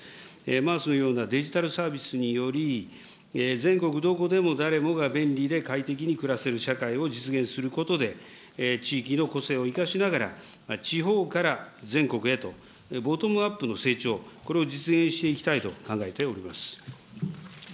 ＭａａＳのようなデジタルサービスにより、全国どこでも誰もが便利で快適に暮らせる社会を実現することで、地域の個性を生かしながら、地方から全国へと、ボトムアップの成長、これを実現していきたいと考えております。